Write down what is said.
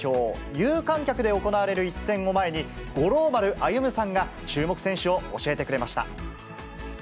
有観客で行われる一戦を前に、五郎丸歩さんが注目選手を教えてくれました。